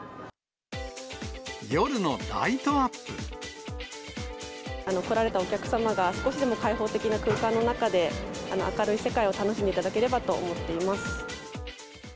夜のライトアップ。来られたお客様が、少しでも開放的な空間の中で、明るい世界を楽しんでいただければと思っています。